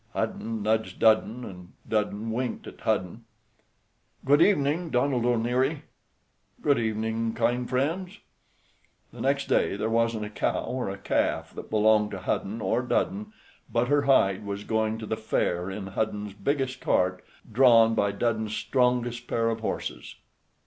Hudden nudged Dudden, and Dudden winked at Hudden. "Good evening, Donald O'Neary." "Good evening, kind friends." The next day there wasn't a cow or a calf that belonged to Hudden or Dudden but her hide was going to the fair in Hudden's biggest cart, drawn by Dudden's strongest pair of horses.